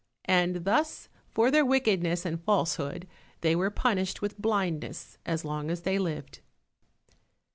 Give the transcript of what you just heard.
And thus, for their wickedness and falsehood, they were punished with blindness as long as they lived.